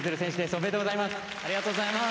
おめでとうございます。